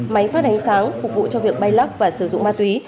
máy phát ánh sáng phục vụ cho việc bay lắc và sử dụng ma túy